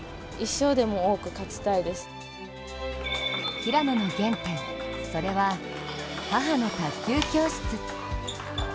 平野の原点、それは母の卓球教室。